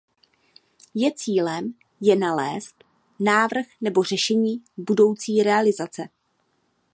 Je cílem je nalézt návrh nebo řešení budoucí realizace.